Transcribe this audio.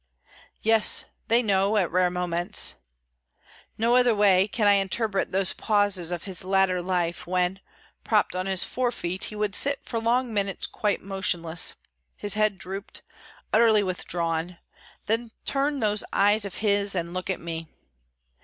Yes, they know, at rare moments. No other way can I interpret those pauses of his latter life, when, propped on his forefeet, he would sit for long minutes quite motionless—his head drooped, utterly withdrawn; then turn those eyes of his and look at me.